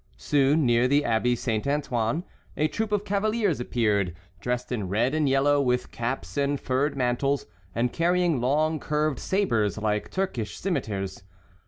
Soon, near the Abbey Saint Antoine, a troop of cavaliers appeared, dressed in red and yellow, with caps and furred mantles, and carrying long curved sabres like Turkish cimeters.